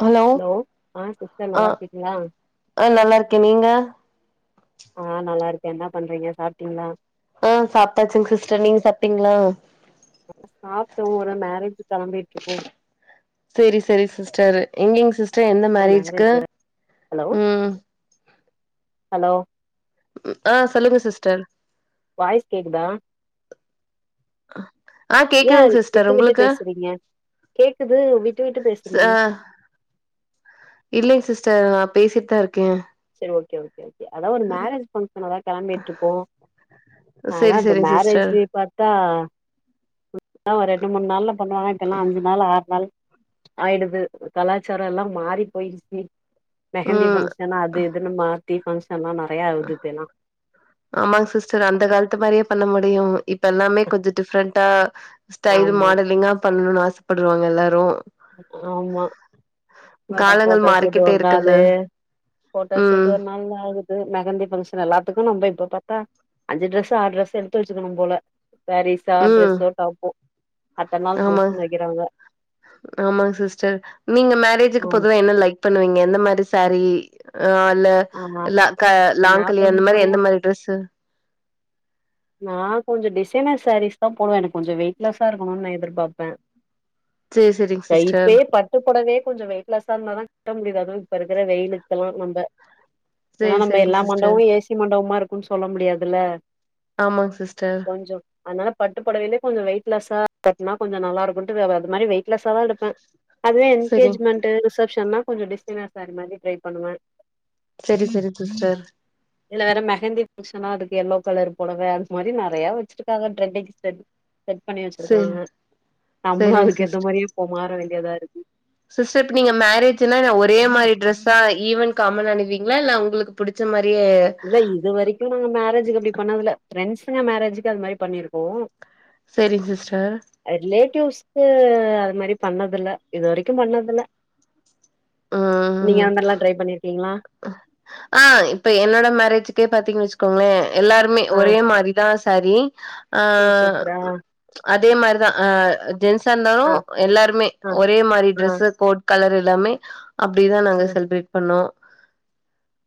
Hello ஆ sister அ நல்லா இருக்கீங்களா அ நல்லார்க்கே நீங்க ஆ நல்லாருக்கே என்னா பண்றீங்க சாப்ட்டீங்களா ஆ சாப்ட்டாச்சுங் சிஸ்டர் நீங்க சாப்பீங்களா சாப்பட்டொ ஒரு மேரேஜ்க்கு கெளம்பிட்ருக்கோ செரி செரி சிஸ்டர் எங்கெங் சிஸ்டர் எந்த ஏ மேரேஜ்க்கு மேரேஜ் ஹலோ ம் ஹலோ ம் ஆ சொல்லுங்க சிஸ்டர் வாய்ஸ் கேக்குதா அ ஏ விட்டுவிட்டு பேசுறீங்க கேக்குது விட்டுவிட்டு பேசுறீங்க இல்லங் சிஸ்டர் நா பேசிட்தா இருக்கே செரி ஓககே ஓக்கே ஓக்கே அதா ஒரு மேரேஜ் பங்க்ஷன் அதா கெளம்பீட்ருக்கோ அதா சேரி இப்ப சேரிங் சிஸ்டர் மேரேஜ்பார்த்தா முன்னால்ல ஒரு ரெண்டுமூண் நாள்ல பண்ணுவாங்க இப்பெல்லா அஞ்சுநாள் ஆற்நாளு ஆய்டுது கலாச்சார எல்லாம் மாறி போய்ருச்சு மெஹந்தி ம் பங்க்ஷன்னு அது இதுன்னு மாத்தி பங்க்ஷன் நெறையா ஆவுதுஇப்பயெல்லா ஆமாங் சிஸ்டர் அந்த காலத்து மரியே பண்ணமுடியு இப் த்தெல்லாமே கொஞ்ச டிஃப்ரெண்ட்டா ஸ்டைல் ஆமா மாடலிங்கா பண்ணனு ஆசப்படுவாங்க எல்லாரு ஆமா மாட்ட காலங்கள் போட்டோஷூட் மாறிக்கிட்டே ஒரு இருக்குல்ல நாளு போட்டோஷூட் ம் ஒரு நாள் ஆகு து மெகந்தி பங்க்ஷன் எல்லாத்துக்கு நம்ப இப்ப பத்தா அஞ்சி டிரஸ் ஆறு டிரெஸ் எடுத்து வச்சிக்கணு போல செரீஸா ம் ட்ரெஸ்ஸோ டாப்போ அத்தன நாள் ஃங்க்ஷன் வைக்கிறாங்க ஆமா சிஸ்டர் நீங்க மேரேஜிக்கு ஆமா பொதுவா என்ன லைக் பண்ணுவீங்க எந்த மாரி சாரீ ஆ ல ஆமா லாக்க நா லாங்கலி அந்த கொஞ்சோ மாரி எந்த மாரி டிரஸு நா கொஞ்ச டிசைனர் சாரீஸ் தா போடுவே எனக்கு கொஞ்ச வெயிட்லாஸா இருக்கனு நா எதிர்பார்பே சேரி செரிங்க சிஸ்டர் லைப்பே பாத் ட்டு படவே கொஞ்ச வெயிட்லாஸா இருந்தா தா ட்ட அது இப்ப இருக்கிற வெயிலுக்கல்லா நம்ப ஏன்னா சேரி நம்ப செரிங்க எல்லா மண்டவு சிஸ்டர் ஏசி மண்டவுமா இருக்குன் சொல்ல முடியாதில்ல ஆமாங் சிஸ்டர் கொஞ்சோ அதனால பட்டுபொடவைலியே கொஞ்சோ வெயிட் லாஸ்ஸா கட்னா கொஞ்ச நல்லா இருக்குன்ட் வே வ அது மாரி வெயிட் லாஸ்ஸாதா எடுப்பே அதுவே செரி என்கேஜ்மெண்ட் ரிசப்ஷன்னா கொஞ்ச டிசைனர் சாரி மாரி ட்ரை பண்ணுவே செரி செரி சிஸ்டர் எல்லாரு மெஹந்தி பங்ஷனா அதுக்கு எல்லோ கலர் போடவ அன்ஸ் மாரி நெறையா வச்சிருக்காங்க ட்ரெண்டி ஸ்டெர்ட் செட் பண்ணி செரி வச்சிருக்காங்க நம்ளு செரிங்க அதுக்கேத்த சிஸ்டர் மாரியே இப்போ மாற வேண்டியதா இருக்கு சிஸ்டர் இப்ப நீங்க மேரேஜ்ன்னா ஒரே மாரி டிரரெஸ்ஸா ஈவன் காமன் அனுவீங்களா இல்ல உங்களுக்கு புடிச்ச மாரியே இல்ல இது வரைக்கு நாங்க மேரேஜக்கு அப்டி பண்ணதுல்ல ஃப்ரெண்ட்ஸுங்க மேரேஜுக்கு அது மாரி பண்ணிருக்கோ சேரிங் சிஸ்டர் ரிலேட்டிவ்ஸ்கு அது மாரி பண்ணது இல்ல இது வரைக்கு பண்ணதில்ல நீங்க ம் அந்தல்லா ட்ரை பண்ணிருக்கீங்களா ஆ இப்ப என்னோட மேரேஜ்க்கே பாத்தீங்கன் வச்சுக்கோங்களே எல்லாருமே ஆ ஒரே மாரிதா சாரீ ஆ ஓ சூப்பரா ஆ அதே மாதிரிதா அ ஜென்சா இருந்தாலு ஆ எல்லாருமே ஆ. ஒரே மாரி ஆ டிரரெஸ்ஸ போட் கலரு எல்லாமே அப்பிடிதா நாங்க ஆ செல்பிரேட் பண்ணோ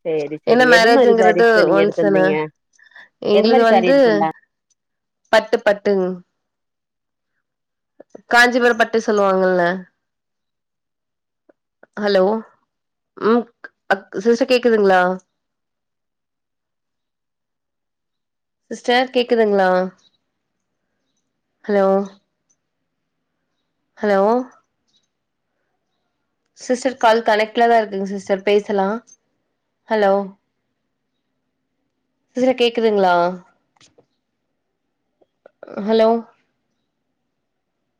சேரி என்ன சேரி எது மாரி மேரேஜ்ங்கரது சாரீஸ்ஸு நீங்க ஒன்ஸ்ன எடுத்திருந்தீங்க எது எங்குளுது மாரி சாரீ வந்து எடுத்திருந்தீங்க பட்டு பட்டுங் காஞ்சிபுர பட்டுனு சொல்லுவாங்கல்ல ஹலோ ம் அக் சிஸ்டர் கேக்குதுங்களா சிஸ்டர் கேக்குதுங்களா ஹலோ ஹலோ சிஸ்டர் கால் கனெக்ட்ல தா இருக்குங்க சிஸ்டர் பேசலா ஹலோ சிஸ்ர கேக்குதுங்களா ஹலோ